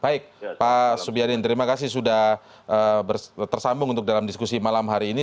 baik pak subiyadin terima kasih sudah tersambung untuk dalam diskusi malam hari ini